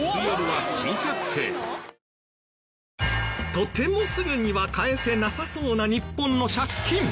とてもすぐには返せなさそうな日本の借金。